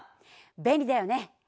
便利だよね！